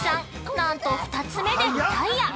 なんと２つ目でリタイア。